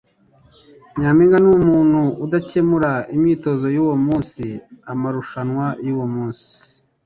Nyampinga ni umuntu udakemura imyitozo yuwo munsi, amarushanwa yuwo munsi,